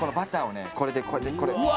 これでこうやってこれうわ！